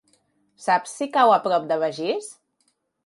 Saps si cau a prop de Begís?